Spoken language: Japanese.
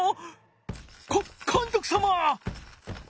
かっかんとくさま！